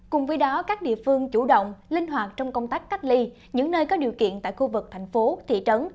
cùng với đó các địa phương chủ động linh hoạt trong công tác cách ly những nơi có điều kiện tại khu vực thành phố thị trấn